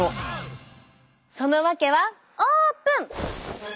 そのわけはオープン！